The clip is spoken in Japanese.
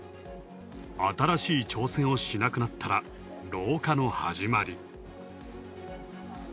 新しい挑戦をしなくなったら老化の始まり。